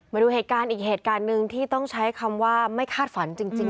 มาดูเหตุการณ์อีกเหตุการณ์หนึ่งที่ต้องใช้คำว่าไม่คาดฝันจริง